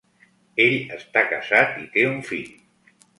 Ell està casat i té un fill.